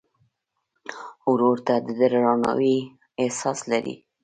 ورور ته د درناوي احساس لرې.